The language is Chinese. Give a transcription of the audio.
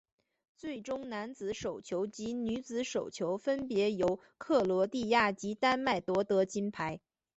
最终男子手球及女子手球分别由克罗地亚及丹麦夺得金牌。